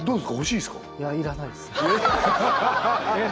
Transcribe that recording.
いや要らないですえっ